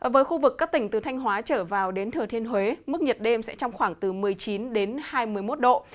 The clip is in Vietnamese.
với khu vực các tỉnh từ thanh hóa trở vào đến thừa thiên huế mức nhiệt đêm sẽ trong khoảng từ một mươi chín hai mươi một độ